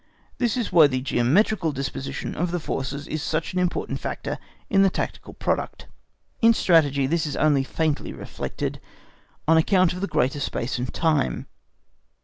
This is why the geometrical disposition of the forces is such an important factor in the tactical product. In Strategy this is only faintly reflected, on account of the greater space and time.